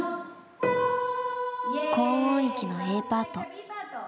高音域のＡパート。